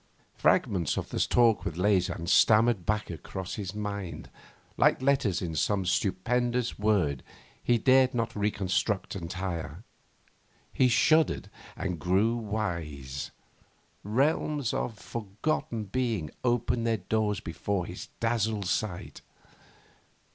Fragments of that talk with Leysin stammered back across his mind, like letters in some stupendous word he dared not reconstruct entire. He shuddered and grew wise. Realms of forgotten being opened their doors before his dazzled sight.